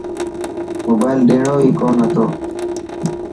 موبائل ڏيڻو هي ڪون هتن.